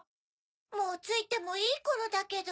もうついてもいいころだけど。